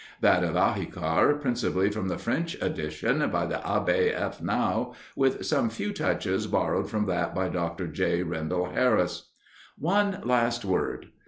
That of Ahikar principally from the French edition by the Abbe F. Nau, with some few touches borrowed from that by Dr. J. Rendel Harris. One last word.